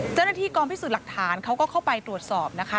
เจ้าหน้าที่กองพิสูจน์หลักฐานเขาก็เข้าไปตรวจสอบนะคะ